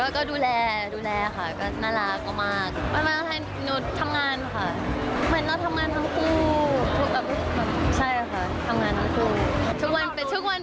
ก็ดูแลดูแลค่ะก็น่ารักมาก